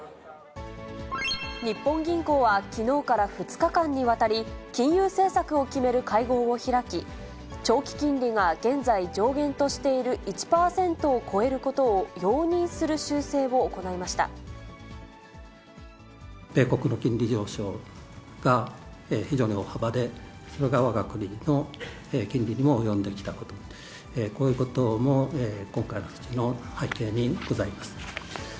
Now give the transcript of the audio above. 日本銀行はきのうから２日間にわたり、金融政策を決める会合を開き、長期金利が現在上限としている１％を超えることを容認する修正を米国の金利上昇が非常に大幅で、それがわが国の金利にも及んできたこと、こういうことも今回の背景にございます。